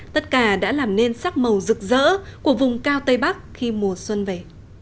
tất cả đã làm nên sắc màu rực rỡ của vùng cao tây bắc khi mùa xuân về